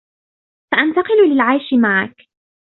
سأنتقل للعيش معكِ.